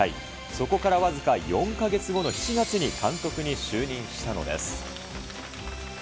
そこから僅か４か月後の７月に監督に就任したのです。